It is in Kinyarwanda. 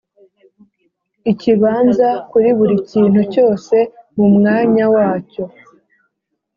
ikibanza kuri buri kintu cyose mumwanya wacyo